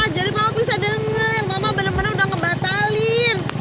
jadi papa bisa denger mama bener bener udah ngebatalin